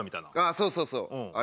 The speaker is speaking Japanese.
そうそうそうあれ